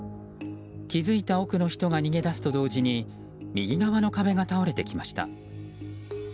気づいた奥の人が逃げ出すと同時に右側の壁が倒れてきました。